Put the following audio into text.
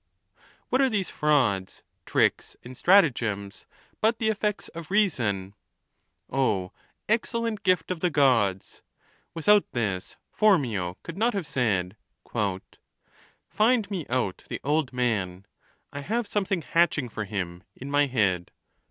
What are these frauds, tricks, and stratagems but the effects of reason ? O excellent gift of the Gods ! With out this Phormio could not have said, Eind me out the old man : I have something hatching for him in my head.